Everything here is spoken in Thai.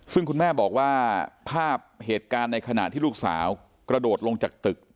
ซึ่งคุณแม่บอกว่าภาพเหตุการณ์ในขณะที่ลูกสาวกระโดดลงจากตึก